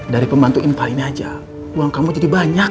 dari pembantu infal ini aja uang kamu jadi banyak